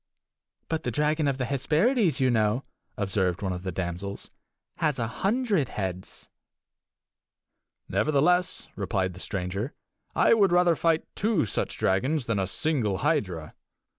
"But the dragon of the Hesperides, you know," observed one of the damsels, "has a hundred heads!" "Nevertheless," replied the stranger, "I would rather fight two such dragons than a single hydra."